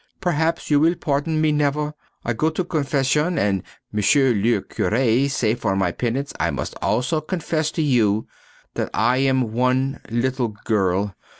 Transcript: Perhaps you will pardon me never! I go to confession and M. le Curé say for my penitence I must also confess to you that I am one little girl!